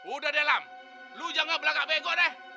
udah deh lam lo jangan berlagak bego deh